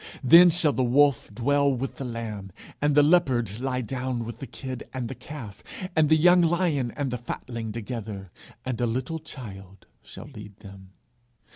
Then shall the wolf dwell with the lamb, and the leopard lie down with the kid and the calf, and the young lion and the fatling together, and a little child shall lead them.